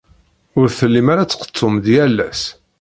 Ur tellim ara tqeḍḍum-d yal ass.